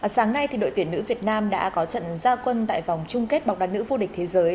sáng nay đội tuyển nữ việt nam đã có trận gia quân tại vòng chung kết bóng đá nữ vô địch thế giới